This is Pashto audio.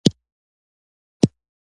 د خیر خبرې هم صدقه ده.